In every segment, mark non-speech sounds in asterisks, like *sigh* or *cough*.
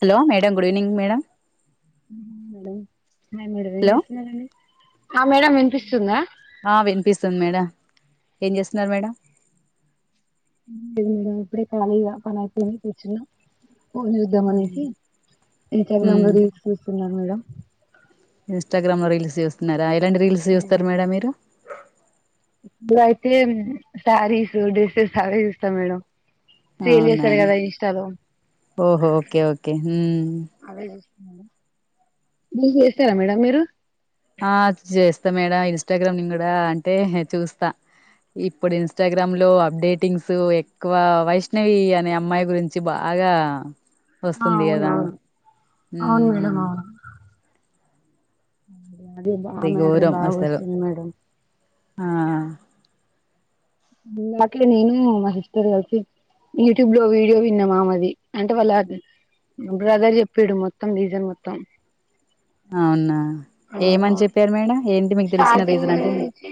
Hello madam good evening madam madam hi మీరు అవేం hello చేస్తున్నారండి ఆ మేడం వినిపిస్తుందా ఆ వినిపిస్తుంది మేడం ఏం చేస్తున్నారు మేడం లేదు మేడం ఇప్పుడే ఖాళీ గా పనైపోయింది కూర్చున్న ఫోన్ చూద్దాం అనేసి ఇన్స్టాగ్రామ్ లో మ్మ్ రీల్స్ చూస్తున్నాను మేడం ఇన్స్టాగ్రామ్ లో రీల్స్ చేస్తున్నారు ఆయ రెండు రీల్స్ చూస్తారు మేడం మీరు ఇప్పుడు అయితే శారీసు డ్రెస్సెస్ అవే చూస్తాం మేడం సేల్ అవునా చేస్తారు కదా ఇన్స్టాలో ఓహో ఓకే ఓకే హ్మ్ అవే మీరు చేస్తారా మేడం మీరు ఆ చేస్తా మేడం ఇన్స్టాగ్రామ్ నేను కూడా అంటే చూస్తా ఇప్పుడు ఇన్స్టాగ్రామ్ లో అప్డేటింగ్స్ ఎక్కువ వైష్ణవి అనే అమ్మాయి గురించి బాగా ఆ వస్తుంది కదా అవునవును అవును మ్మ్ మేడం అవును అదే బా ఆ అది మేటరే ఘోరం బాగ అసలు వస్తుంది మేడం ఆ దాంట్లో నేను మా సిస్టర్ కలిసి యూట్యూబ్ లో వీడియో విన్నా మామెది అంటే వాళ్ళ బ్రదర్ చెప్పిడు మొత్తం రీజన్ మొత్తం అవునా ఏమని చెప్పారు మేడం ఎ స్టార్టింగ్ నుంచి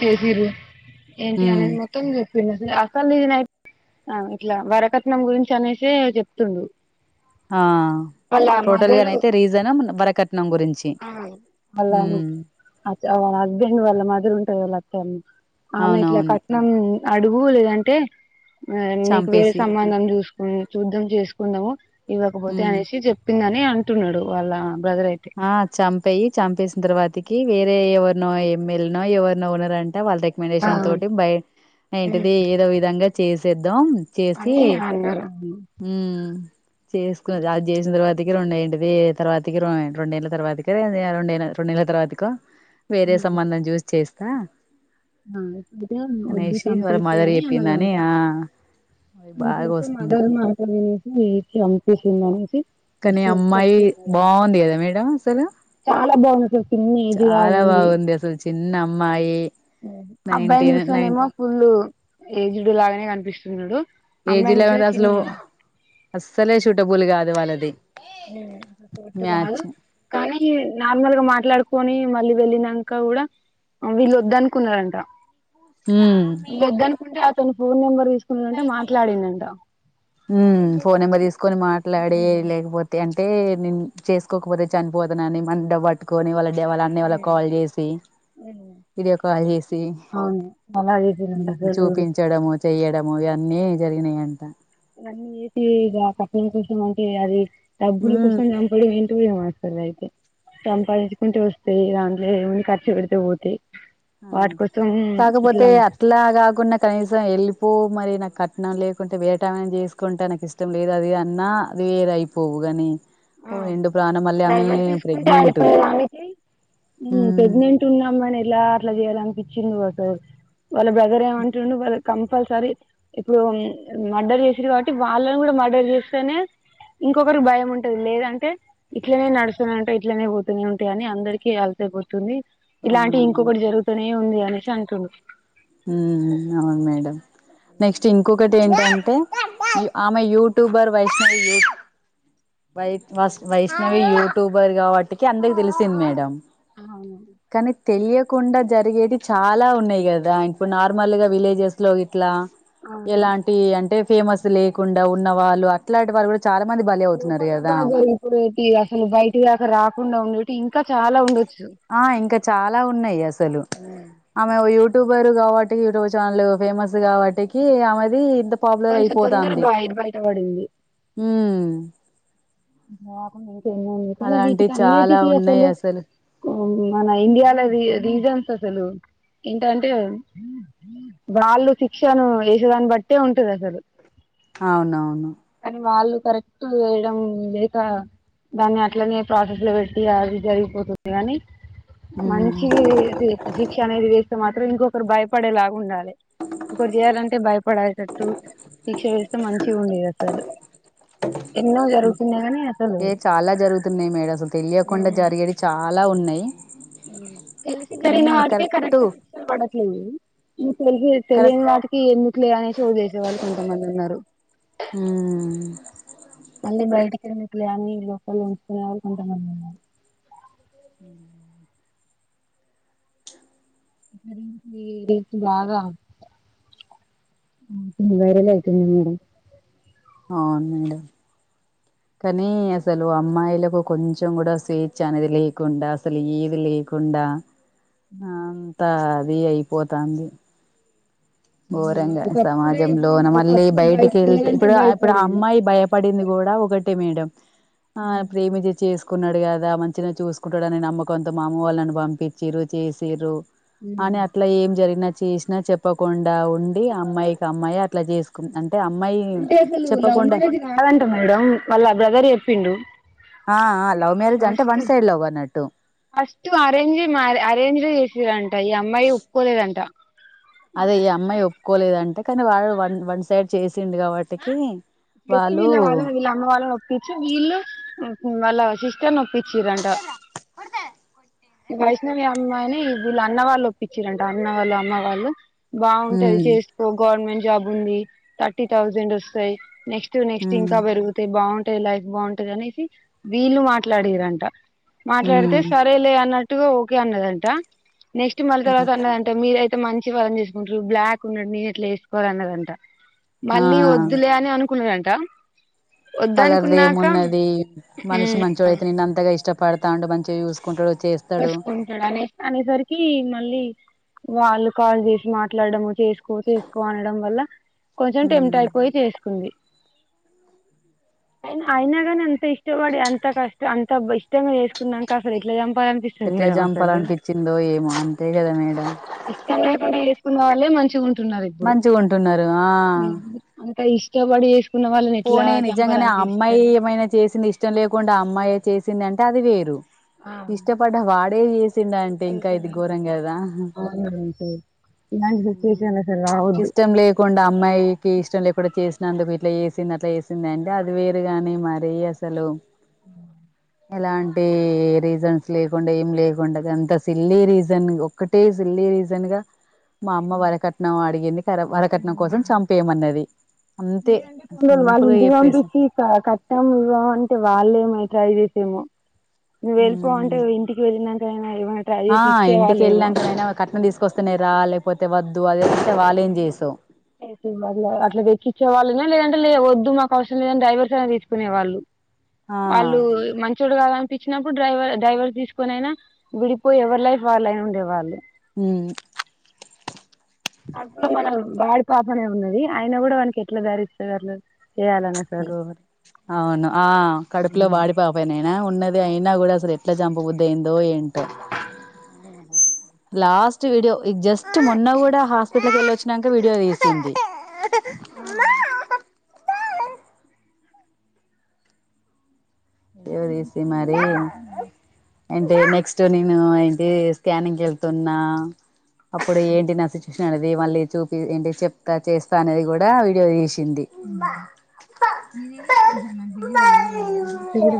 *unintelligible* ఏంటి ఉమ్ అనేది మొత్తం చెప్ ఆ ఇట్లా వరకట్నం గురించి అనేసి చెప్తుండు ఆ టోటల్ గానయితే రీజన్ వరక అ హస్బెం ఎ మధర ఉంటయి అం ఆమె ఇట్లా అవునవును కట్నం అడుగు లేదంటే నీకు వేర చంపేసి సంబంధం చూసుకో చూద్దం చేసుకుందాము ఇవ్వకపోతే ఉమ్ అనేసి చెప్పిందని అ అంటున్నాడు అలా బ్రదర్ అయితే చంపి చంపేసిన తర్వాతకి వేరే ఎవరినో ఎమ్మెల్య నో ఎవరినో ఉనర్ అంటే వాళ్ళ రికమెండేషన్ తోటి బయ ఏంటిది ఏదో విధంగా చేసి చేసి హ చేసుకున్న అది చేసిన తర్వాత కి రెంటిది తర్వాతకి రండి రెండేళ్ల తర్వాకాద రెడుేల రెండుేళ్ల తరువాత వేరే సంబంధం చూస్ చేస్త కా ఇప్పుతే వద్దు వాళ్ళ చంపేసి మదర్ అని అన్నద చెప్పిందని ఉంత ఆ అవి బాగా అ మగ వస్తుంది మాట వినసి చంపసిందని కానీ అమ్మాయి బాగుంది కదా మేడం అసలు చాలా బాగుంది అసలు చిన్న ఏజ్ లా చాలా ఉంది బాగుంది అసలు చిన్న అమ్మాయి అబ్బాయిని నైన్టీన్ నైన్ నిూసనేమోుల్ ఏజ్డ్ లాగానే కనిపిస్తుందిడు ఏ జిల్ల అసలు అస్సలే షూటబుల్ కాదు వాళ్ళది అలు చోటు కాదు మ్యాచ్ కానీ నార్మల్ గా మాట్లాడుకు కని మళ్ళీ వెళ్ళినాక కూడా వీళ్ళ వద్ద అనుకున్నారంట ఉమ్ గద్ద అనుకుంటే అతను ఫోన్ నంబర్ ఇ టే మాట్లాడిందంట ఉ ఫోన్ నెంబర్ తీసుకొని మాట్లాడ లేకపోతే అంట అంటే నేను చేసుకోకపోతే చనిపోదన అని మన డ పట్టుకొని వాళ్ళ అే వాళ అన్న వాళ్ళ కాల్ చేసి వీడియో కాల్ చేసి అవును అలా చేసిందంట అసలు చూపించడము చెయ్యడము ఇవన్నీ జరిగినయంట అన్నీ ఏతి ఇగ పట్ కసం అంటే అది డబ్బుల ఉమ్ కోసం చంపుడు ఎంటో ఏమో స్తు అయితే సంపాదించుకుంటే వస్తయి దాంట్లో ఏముందు ఖర్చు పెడితే పోతయి అంతే కాకపోతే అట్లా కాకుండా కనీసం ఎల్లిపో మరి నాకు కట్నం లేకుంటే వెరటమేను చేసుకుంటే నాకు ఇష్టం లేదు అది అన్నా అది వేరయిపోవు గాని ఆ బెడ్ రెస్ట్ తీసుకుంటే ప్రెగ్నెంట్ అయిపోదానికి ఉమ్ ప్రెగ్నెంట్ ఉన్నామనే ట్ల అట్లా చేయాలనిపించింది ఒకసలు వాళ్ళ బ్రదర్ ఏమంటుండు వాళ్ కంపల్సరీ ఇప్పుడు మర్డర్ చేసిల్లు కాబట్టి వాళ్ళని కూడా మర్డర్ చేస్తేనే ఇంకొకరికి బయం టది లేదంటే ఇట్లనే నడుస్తూనే ఉంటాయి ఇట్లనే పోతూనే ఉంటాయి అని అందరికి అలుసై పోతుంది ఇలాంటి అవునవును ఇంకొకటి జరుగుతూనే ఉంది అనేసి అంటుండు ఉమ్ అవును మేడం నెక్స్ట్ ఇంకొకటి ఏంటంటే ఆమె యూట్యూబర్ వైష్ణవి యూ వై వ వైష్ణవి యూట్యూబర్ కాబట్టికి అందరికి తెలిసింది మేడం అవును కానీ తెలియకుండా జరిగేది చాలా ఉన్నాయి కదా ఇప్పుడు నార్మల్గా విలేజెస్లో ఇట్లా ఎలాంటియి అంటే ఫేమస్ లేకుండా ఉన్న వాళ్ళు అట్లాంటి వారు కూడా చాలా మంది బలి అవుతున్నారు లోపల కదా లోపల ఇప్పుడు అసలు బయట దక రాకుండా ఉండి తీ ఇంకా చాలా ఉండ ఆ ఇంకా చాలా ఉన్నాయి అసలు ఆమె యూ ట్యూబర్ కాబట్టి యూట్యూబ్ ఛానల్ ఫేమస్ కాబట్టి అమెది ఇంత పాపులర్ కొంచెం తొందర అయిపోతాంది బయ బయటపడింది *unintelligible* ఏమో అందుకనే అలాంటివి చాలా వీటికన్నిటికి ఉన్నాయి అసలు మన ఇండియాలో రీజన్స్ అసలు ఏంటంటే వాళ్ళు శిక్షను వేసేదాన్ని బట్టే ఉంటది అసలు అవునవును కానీ వాళ్ళు కరెక్ట్ వేయడం లేక దాన్ని అట్లనే ప్రాసెస్ లో పెట్టి అవి జరిగిపోతుంది కాని ఉమ్ మంచివి శిక్ష అనేది తే మాత్రం ఇంకొకరు భయపడేలాగా ఉండాలి ఒకోరు చేయాలంటే భయపడేటట్టు శిక్ష వేస్తే మంచిగుండు అసలు ఎన్నో జరుగు ఏ చాలా జరుగుతున్నాయి మేడం అసలు తెలియకుండా జరిగేవి చాలా ఉన్నయి *inaudible* తెలిసి జరిగిన వాటికే కరెక్ట్ శిక్ష పడట్లేదు తెసి కరెక్ట్ తెలియని వాటికి ఎందుకు లే అనేసి వదిలేసే వాళ్ళు కొంతమంది ఉన్నారు ఉమ్ అన్ని బయట ఎందుకులే అని లోపల ఉంచుకునే వాళ్ళు కొంతమంది ఉన్నారు రీతి బాగా వైరల్ అవుతుంది మేడం అవును మేడం కనీ అసలు అమ్మాయిలకు కొంచెం కూడా స్వేచ్ఛ అనేది లేకుండా అసలు ఏది లేకుండా అంతా ఫ్రీ అయిపోతంది ఘోరంగా ఒకప్పుడే సమాజంలో మళ్ళీ ఒకప్పుడు బయటికి బయటకి వెళ్తే వెళ్ళాలంటే ఇప్పుడ ఇప్పుడు ఆ భయపడేది అమ్మాయి భయ పడింది కూడా ఒకటి మేడం ఆ ప్రేమించీ చేసుకు కున్నాడు కదా మంచిగా చూసుకుంటాడునే నమ్మకంతో మా అమ్మ వాళ్లు నన్ను పంపించిర్రు చేసిర్రు అని అట్లా ఏం జరిగిన చేసినా చెప్ప కుండా ఉండి అమ్మాయికి అమ్మాయే అట్లా చేసుకు అం అంటే అసలు లవ్ మ్యారేజ్ కాదంట మేడం వాళ్ళ బ్రదర్ చెప్పిండు ఆ ఆ లవ్ మ్యారేజ్ అంటే వన్ సైడ్ లవ్ అన్నట్టు ఫస్ట్ అరేంజ్ మ్యా అరేంజడ్ ఎ చేస్ అంటా ఈ అమ్మాయి ఒప్పుకోలేదంటా అదే ఈ అమ్మాయి ఒప్పుకోలేదంటే కానీ వాడు వన్ వన్ సైడ్ చేసిండు కాబట్టికి *unintelligible* వాళ్ళు వీళ్ల వాళ్ళనీ వీళ్ల అమ్మ వాల్లని పచ్చ వీళ్ళు వాళ్ళ సిస్టర్ నో ఇచ్చిర్రంట వైష్ణవి అమ్మాయిని వీళ్ళ అన్న వాళ్ళు ఒప్పించిరంట అన్న వాళ్ళ అమ్మ వాళ్ళు బాగుంటది ఉమ్ చేసుకో గవర్నమెంట్ జాబ్ ఉంది థర్టీ థౌజండ్ వస్తాయి నెక్స్ట్ నెక్స్ట్ ఉమ్ ఇంకా పెరుగుతే బాగుం టే లైఫ్ బాగుంటది అనేసి వీళ్ళు మాట్లాడిరంట మాట్లాడతే ఉమ్ సరేలే అన్నట్టుగా ఓకే అన్నదంట నెక్స్ట్ మల్లి తరవాత అన్నదంటా మీరై మంచి వాళ్ళను చేసుకుంటారు బ్లాక్ ఉన్నడు నేను ఎట్లా వేసుకోవాలన్నదంటా ఆ మళ్ళీ వద్దులే అని అనుకు కున్నరంట కలర్ది ఏమున్నది మనిషి మంచోడు అయితే నిన్ అంతగా ఇష్ట పడతాండు మంచిగా చూసుకుంటాడు చేస్తాడు చూసుకుంటాడు అనే అనేసరికి మళ్ళీ వాళ్ళు కాల్ చేసి మాట్లాడడము చేసుకో చేసుకో అనడం వల్ల కొంచెం టెమ్ట్ ఉమ్ అయిపోయి చేసుకుంది అ అయినా కాని అంత ఇష్టపడి అంత కష్టం అంత ఇష్టమే చేసుకున్నాక అసలు ఇట్లా చంప ఎట్లా చంపాలనిపించిందో ఏమో అంతే కదా మేడం ఉన్న వాళ్ళే మంచిగుంట మంచిగా ఉంటున్నారు ఆ ఎవడు చేసు పోనీ నిజంగానే ఆ అమ్మాయి ఏమైనా చేసింది ఇష్టం లేకుండా ఆ అమ్మాయి చేసి తంద అంటే అది వేరు ఇష్టపడ్డ వాడు ఈ వచ్చిండు అంటే ఇంకా ఇది ఘోరం కదా అవును మేడం అసలు ఇలాంటి సిచ్యువేషన్ అసలు రావద్దు ఇష్టం లేకుండా అమ్మాయికి ఇష్టం లేకుండా చేస్త నందుకు ఇట్లా సింది అట్లా వేసింది అంటే అది వేరు గాని మరి అసలు ఉ ఎలాంటి రీజన్స్ లేకుండా ఏం లేకుండా అంత సిల్లీ రీజన్ ఒక్కటే సిల్లీ రీజన్ గా మా అమ్మ వరకట్నం అడిగింది కర వరకట్నం కోసం చంపేయమన్నది అంతే ఉండ వాళ్ళు సింపుల్గా ఇంటి చెప్పేసి పంపించి కట్టాం ఇవ్వ అంటే వాళ్లు ఏమా ట్రై చేసే ఏమో నువ్వు వాళ్లిపోంటే ఇంటికి వెళ్ళినంత ఆ ఇంటికి వెళ్ళినంక అయినా కట్నం తీసుకొస్తున్నా రా లేకపో పోతే వద్దు అది ఏట్ అట్లా తెచ్చిచ్చే వాళ్ళనే లేదంట లేదు వద్దు మాకు అవసరం లేదని డైవర్స్ అన్న తీసుకునేవాళ్ళు వాళ్ళు మంచోడు కాదంట ఇచ్చినప్పుడు డైవర్ డైవర్స్ తీసుకొని అయిన విడిపోయి ఎవరి లైఫ్ వాళ్ళయినా ఉండే వాళ్ళు ఊ కడుపులో వాడి పాపనే ఉన్నది అయిన కూడా వానకి ఎట్లా *unintelligible* అసలు గోరం అవును ఆ కడుపులో వాడిపోపైనయినా ఉన్నది అయినా కూడా అసలు ఎట్లా చంపబుద్ధి అయిందో ఏంటో లాస్ట్ వీడియో జస్ట్ మొన్న కూడా హాస్పిటల్కి వెళ్ళొ వచ్చినాక వీడియో తీసింది వీడియో తీసి మరి అంటే నెక్స్ట్ నేను ఏంటి స్కానింగ్ వెళ్తున్నా అప్పుడు ఏంటి నా సిచుషన్ అనేది మళ్ళీ చూపి ఏంటి చెప్తా చేస్తా అనేది కూడా వీడియో తీసి అమే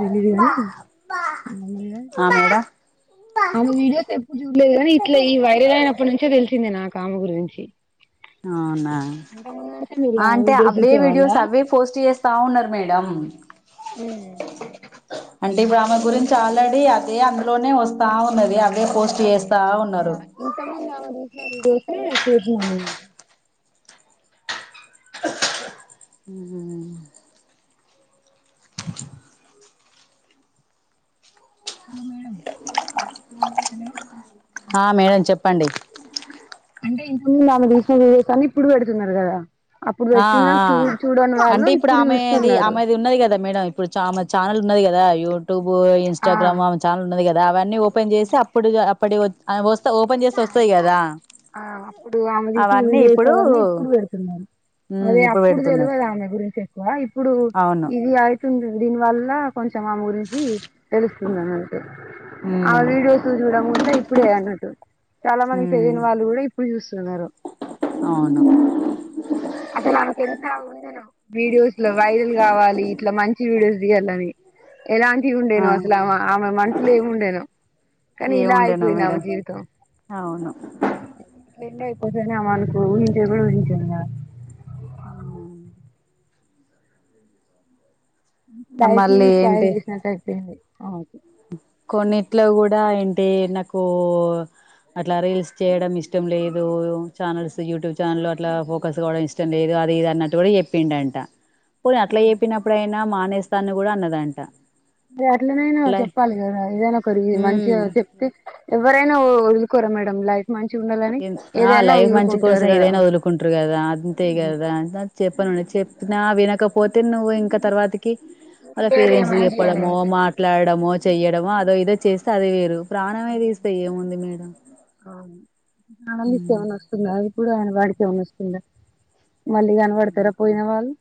ఆ మేడం విడియో చూలేదు కానీ ఇట్లా ఈ వైరల్ అయినప్పటి నుంచే తెలుసు నాకు ఆమె గురించి అవునా మీరు ఆమె అంటే వీడియోస్ అవే చూసేవాళ్ళ వీడియోస్ అవే పోస్ట్ చేస్తా ఉన్నారు మే డం అ అంటే ఇప్పుడు ఆమె గురించి ఆల్రెడీ అదే అందులోనే వస్తా ఉన్నది అదే పోస్ట్ చేస్తా ఆ ఉన్నారు ఇంత ముందు ఆమె తీసిన విడియోస్ *unintelligible* హలో మేడం హలో ఆ మేడం చెప్పండి అంటే ఇంతకు ముందు ఆమె తీసిన వీడియోస్ అన్ని ఇప్పుడు పెడుతున్నారు కదా అప్పుడు ఆ పెట్టిన చూ చూడని వాళ్ళు అంటే ఇప్పుడు ఆమెది చూస్తున్నారు ఆమెది ఉన్నది కదా మేడం ఇప్పుడు చ ఆమె ఛానల్ ఉన్నది కద ఏడు ఆ ఇంస్టాగ్రామ్ ఆమె ఛానల్ ఉంది కదా దా న్ని ఓపెన్ చేసి అప్పుడు పడే ఆ అప్పుడు ఆమెదికి ఫుల్ అవన్నీ వీడియోస్ ఇప్పుడు అన్ని ఇప్పుడు పెడుతున్నారు మ్మ్ అదే ఇప్పుడు అప్పుడు పెడుతున్నారు తెలియదు ఆమె గురించి ఎక్కువ ఇప్పుడు అవును ఇది అవుతుంది దీనివల్ల కొంచెం ఆమె గురించి తెలుస్తుంది ఆ మ్మ్ వీడియోస్ చూడం వల ఇప్పుడే అన్న చాలా మంది మ్మ్ తెయని వాళ్ళు కూడా ఇప్పుడు చూస్తా అవును వీడియోస్ లో వైరల్ కావాలి ఇట్లా మంచి వీడియోస్ తీయాలని ఎలాంటివి ఉండేనో అసలు ఆ ఆమె మనుషులో ఏమి ఉండేనో కానీ ఇలా ఏముండేనో అయిపోయింది మేడం ఆమె జీవితం అవును ఇ నే మనకు ఊహించే కూడా ఊహించింద *unintelligible* ఆ లైఫ్ ను మళ్ళీ స్పాయిల్ ఏంటి చేసినట్టు అయిపోయింది అవును కొన్నిట్లో గూడా ఏంటి నాకు అట్లా రీల్స్ చేయడం ఇష్టం లేదూ చానల్స్ యూట్యూబ్ ఛానల్ అట్లా ఫోకస్ కావడం నాకు ఇష్టం లేదు అని కూడా అది ఇది అన్నట్ట్ గుడా చెప్పిందంట పోన్ అట్లా చెప్పినప్పుడయినా మానేస్ తను గుడా అన్నదంట అట్లనైనా అట్లా చెప్పాలి గదా ఏదైనా ఒకరి మంచిగా ఉమ్ చెప్తే ఎవరైనా వో వదులుకోర్ మేడం లైఫ్ మంచిగా ఉండాలని ఆ ఏదైనా లైఫ్ మంచి వదులుకుంటారు కోసం కదా ఏదైనా ఒదులుకుంట్రు గదా అంతే కదా అ చెప్పనుండి చెప్పిన వినకపోతే నువ్వు ఇంక తర్వాతి కి ఆల్ల పేరెంట్స్కి చెప్పడమో మాట్లాడడమో చెయ్యడము అదో ఇదో చేస్తే అది వేరు ప్రాణమే తీస్తే ఏముంది మేడం ఔను ప్రాణం తీస్తే ఏమన్నొస్తున్నాది ప్పుడు ఆయ్న వాడి ఒస్తుందా మళ్ళీ కన పడతరా పోయిన వాళ్ళు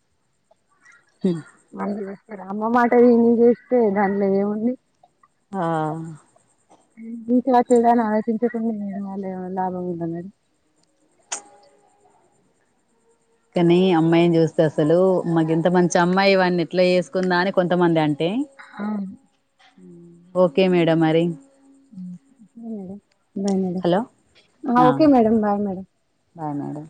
హ్మ్. అ రా అమ్మ మాట ఏని చేస్తే దానిలో ఏముంది ఆ వీట్ వచ్చలుదా ఆలోచించకుంది వాళ లాభం ఉంద మేడం కనీ అమ్మాయిని చూస్తే అసలూ మాక్ ఇంత మంచి అమ్మాయి వాని ఎట్లా చేసుకుందా అని కొంతమంది అంట్ హా ఓకే మేడం మరి బయ్ మేడం హలో ఆ okay madam bye madam bye madam